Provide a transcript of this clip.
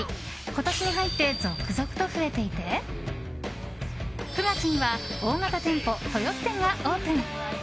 今年に入って続々と増えていて９月には大型店舗豊洲店がオープン。